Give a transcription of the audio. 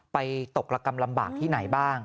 ไปตกกำลังลำบากที่ไหนบ้าง